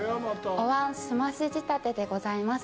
おわん澄まし仕立てでございます。